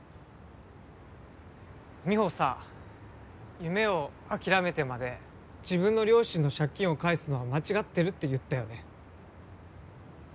美帆さ夢を諦めてまで自分の両親の借金を返すのは間違ってるって言ったよね。